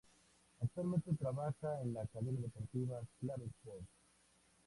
Actualmente trabaja en la cadena deportiva Claro Sports.